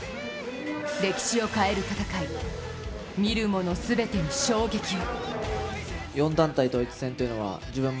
歴史を変える戦い、見るもの全てに衝撃を。